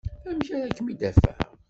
Amek ara kem-id-afeɣ?